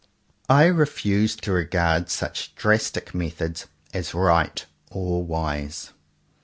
I refuse to regard such drastic methods as right or wise.